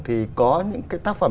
thì có những cái tác phẩm